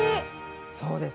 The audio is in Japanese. そうです。